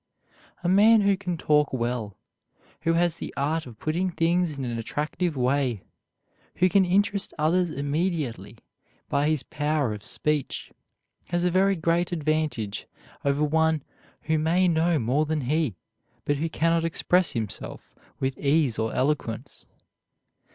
A man who can talk well, who has the art of putting things in an attractive way, who can interest others immediately by his power of speech, has a very great advantage over one who may know more than he, but who cannot express himself with ease or eloquence.